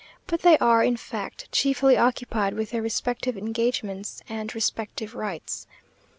But they are, in fact, chiefly occupied with their respective engagements and respective rights.